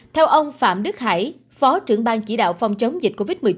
theo ông phạm đức hải phó trưởng ban chỉ đạo phòng chống dịch covid một mươi chín